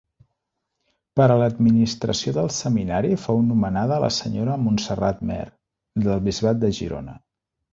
Per a l'administració del seminari fou nomenada la senyora Montserrat Mer, del bisbat de Girona.